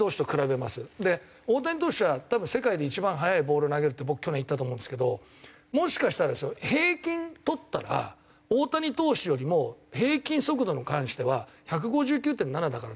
大谷投手は多分世界で一番速いボール投げるって僕去年言ったと思うんですけどもしかしたらですよ平均とったら大谷投手よりも平均速度に関しては１５９．７だから出してるかもわからない。